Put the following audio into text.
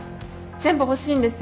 全部欲しいんです。